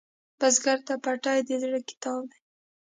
بزګر ته پټی د زړۀ کتاب دی